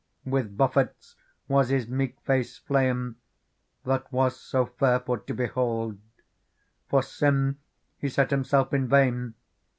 With buffets was His meek face flayen. That was so fair for to behold ; For sin He set Himself in vain.